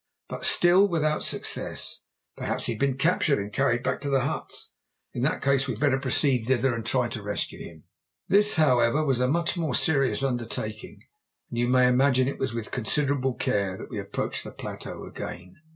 But still without success. Perhaps he had been captured and carried back to the huts? In that case we had better proceed thither and try to rescue him. This, however, was a much more serious undertaking, and you may imagine it was with considerable care that we approached the plateau again.